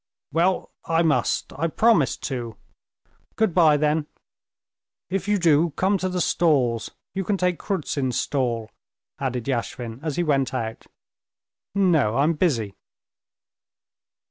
"Well, I must, I promised to. Good bye, then. If you do, come to the stalls; you can take Kruzin's stall," added Yashvin as he went out. "No, I'm busy."